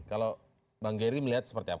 kalau bang gery melihat seperti apa